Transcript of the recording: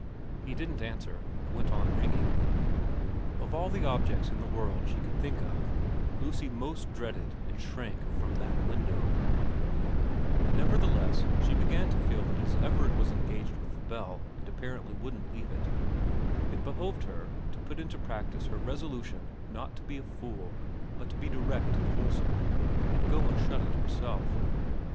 ' He didn't answer, and went on ringing. Of all the objects in the world that she could think of, Lucy most dreaded and shrank from that window ; p 210 VERA xn nevertheless she began to feel that as Everard was engaged with the bell and apparently wouldn't leave it, it behoved her to put into practice her resolution not to be a fool but to be direct and wholesome, and go and shut it herself.